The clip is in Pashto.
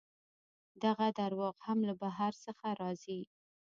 دغه درواغ هم له بهر څخه راځي.